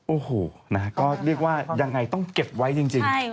โอ้โหนะฮะก็เรียกว่ายังไงต้องเก็บไว้จริง